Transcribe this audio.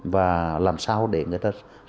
và làm sao để người ta sống